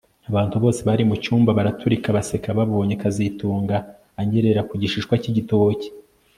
Abantu bose bari mucyumba baraturika baseka babonye kazitunga anyerera ku gishishwa cyigitoki